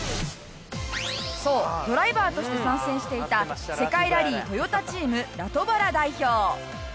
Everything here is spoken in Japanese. そうドライバーとして参戦していた世界ラリートヨタチームラトバラ代表。